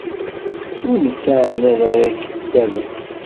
Ur nettɛanad ara ikeddaben.